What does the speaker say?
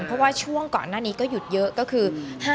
เพราะว่าช่วงก่อนหน้านี้ก็หยุดเยอะก็คือ